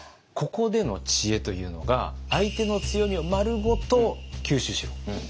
ここでの知恵というのが「相手の強みをまるごと吸収しろ」という知恵でした。